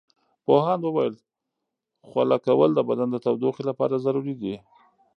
پوهاند وویل خوله کول د بدن د تودوخې لپاره ضروري دي.